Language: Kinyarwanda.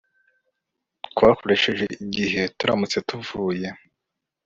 Twakoresheje igihe turamutse tuvuye